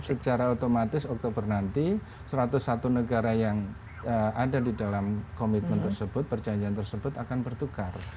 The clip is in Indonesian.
secara otomatis oktober nanti satu ratus satu negara yang ada di dalam komitmen tersebut perjanjian tersebut akan bertukar